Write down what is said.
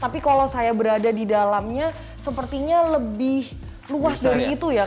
tapi kalau saya berada di dalamnya sepertinya lebih luas dari itu ya